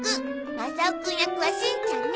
マサオくん役はしんちゃんね。